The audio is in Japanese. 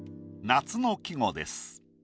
夏の季語です。